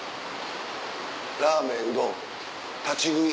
「ラーメンうどん立喰い」。